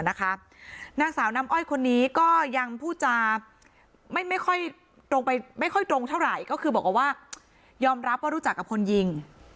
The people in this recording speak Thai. นางสาวน้ำอ้อยคนนี้ก็ยังพูดจาไม่ค่อยตรงไปไม่ค่อยตรงเท่าไหร่ก็คือบอกว่ายอมรับว่ารู้จักกับคนยิง